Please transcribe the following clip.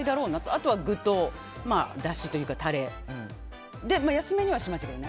あとは具とだしとタレ休めにはしましたけど。